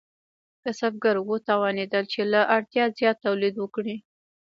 کسبګر وتوانیدل چې له اړتیا زیات تولید وکړي.